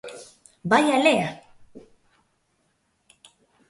Vaia lea!